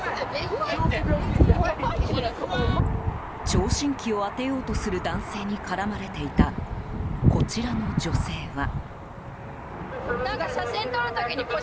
聴診器を当てようとする男性に絡まれていたこちらの女性は。